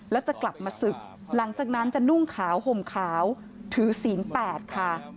แล้วจะกลับมาศึกหลังจากนั้นจะนุ่งขาวห่มขาวถือศีลแปดค่ะ